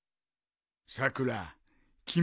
さくら君